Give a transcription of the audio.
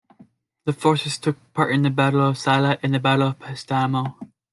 The forces took part in the Battle of Salla and the Battle of Petsamo.